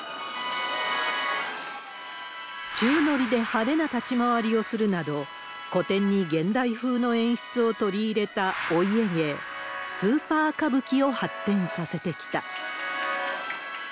宙乗りで派手な立ち回りをするなど、古典に現代風の演出を取り入れたお家芸、スーパー歌舞伎を発展させてきた。